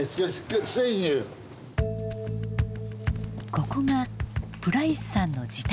ここがプライスさんの自宅。